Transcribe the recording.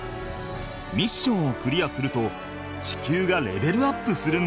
ミッションをクリアすると地球がレベルアップするんだとか。